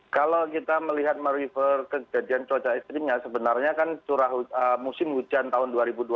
kalau kita melihat kejadian cuaca ekstrim sebenarnya kan musim hujan tahun dua ribu dua puluh dua ribu dua puluh satu